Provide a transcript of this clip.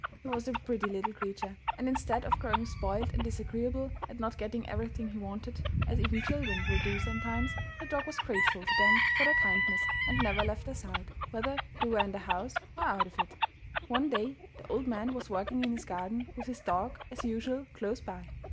He was a pretty little creature, and instead of growing spoilt and disagreeable at not getting everything he wanted, as even children will do sometimes, the dog was grateful to them for their kindness, and never left their side, whether they were in the house or out of it. One day the old man was working in his garden, with his dog, as usual, close by.